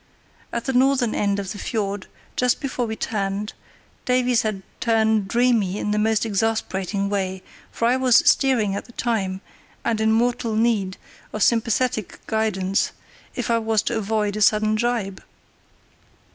At the northern end of the fiord, just before we turned, Davies had turned dreamy in the most exasperating way, for I was steering at the time and in mortal need of sympathetic guidance, if I was to avoid a sudden jibe.